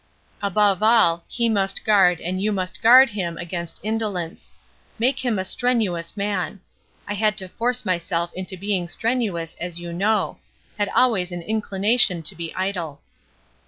Above all, he must guard and you must guard him against indolence. Make him a strenuous man. I had to force myself into being strenuous as you know had always an inclination to be idle.